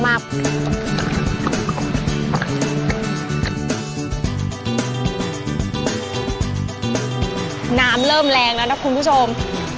น้ำเริ่มแรงแล้วนะคุณผู้ชม